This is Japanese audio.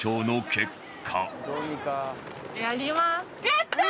やったー！